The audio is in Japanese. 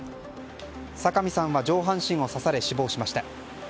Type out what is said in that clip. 酒見さんは上半身を刺され死亡しました。